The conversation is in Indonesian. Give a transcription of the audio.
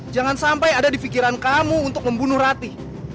jangan sampai ada di pikiran kamu untuk membunuh rati